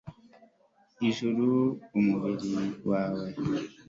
ijuru, umubiri wawe